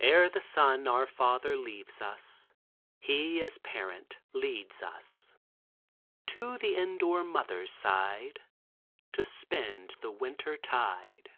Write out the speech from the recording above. E'er the sun our father leaves us He, as a parent, leads us To the indoor mother's side To spend the winter tide.